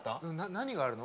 何があるの？